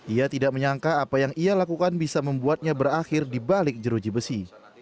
ia tidak menyangka apa yang ia lakukan bisa membuatnya berakhir di balik jeruji besi